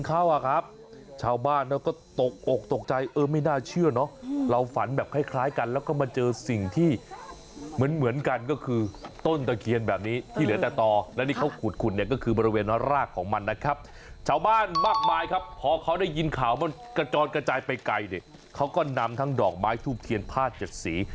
กระจอดกระจายไปไกลเนี่ยเขาก็นำทั้งดอกไม้ทูบเคียนผ้าจัดสี